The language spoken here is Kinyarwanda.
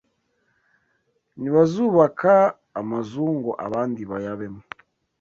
Ntibazubaka amazu ngo abandi bayabemo